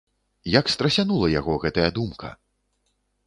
Як страсянула яго гэтая думка!